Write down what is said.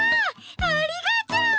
ありがとう！